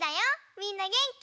みんなげんき？